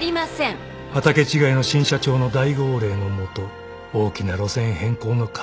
［畑違いの新社長の大号令のもと大きな路線変更の渦中にいた］